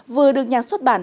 vừa được nhà xuất bản